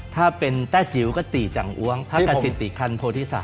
ถ้าเป็นแต้จิ๋วก็ตีจังอ้วงพระกษิติคันโพธิศะ